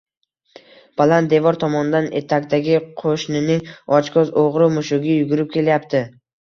Baland devor tomondan etakdagi qo‘shnining ochko‘z o‘g‘ri mushugi yurib kelyapti